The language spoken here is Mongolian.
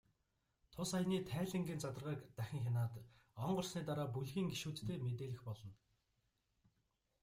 Тус аяны тайлангийн задаргааг дахин хянаад, он гарсны дараа бүлгийн гишүүддээ мэдээлэх болно.